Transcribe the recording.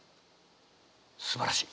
すばらしい。